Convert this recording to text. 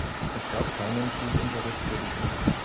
Es gab keinen Schulunterricht für die Kinder.